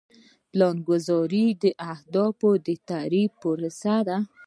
پلانګذاري د اهدافو د تعریف پروسه ده.